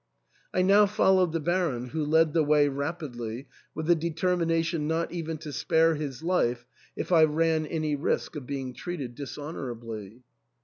I now followed the Baron, who led the way rapidly, with the determination not even to spare his life if I ran any risk of being treated dishonourably.